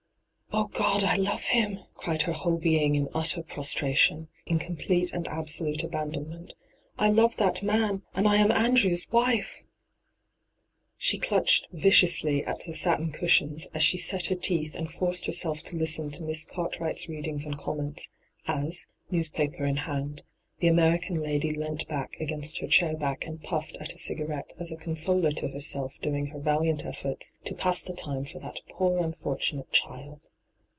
' Oh, God, I love him !' cried her whole being in utter prostration, in complete and absolute abandonment. ' I love that man, and I am Andrew's wife !' She clutched viciously at Hie satin cushions h.GdOt^le ENTRAPPED 223 as she set her teeth and forced herself to listen to Misa Cartwright's readings and comments, as, newspaper in hand, the American lady leant back against her chair back and puffed at a cigarette as a consoler to herself during her valiant efforts ' to pass the time for that poor unfortunate child.'